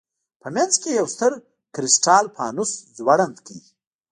په منځ کې یې یو ستر کرسټال فانوس ځوړند کړ.